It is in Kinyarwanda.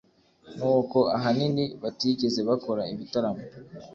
n'uko ahanini batigeze bakora ibitaramo